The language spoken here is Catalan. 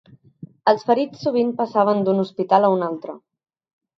Els ferits sovint passaven d'un hospital a un altre